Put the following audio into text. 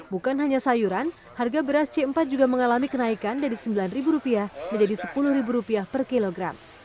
bukan hanya sayuran harga beras c empat juga mengalami kenaikan dari sembilan ribu rupiah menjadi sepuluh ribu rupiah per kilogram